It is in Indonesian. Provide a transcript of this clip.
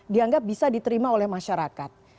dianggap bisa diterima oleh masyarakat